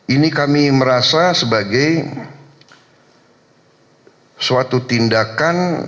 ini kami merasa sebagai suatu tindakan